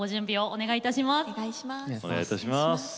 お願いいたします。